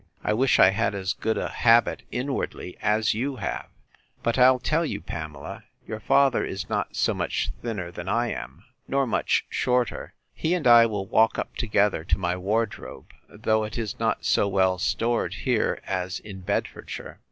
I wish I had as good a habit inwardly as you have. But I'll tell you, Pamela, your father is not so much thinner than I am, nor much shorter; he and I will walk up together to my wardrobe; though it is not so well stored here, as in Bedfordshire.